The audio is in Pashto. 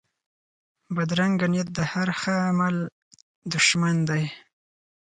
بدرنګه نیت د هر ښه عمل دشمن دی